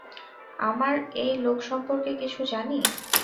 আমরা এই লোক সম্পর্কে কিছু জানি?